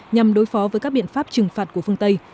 nhằm đối phó với các biện pháp trừng phạt của phương tây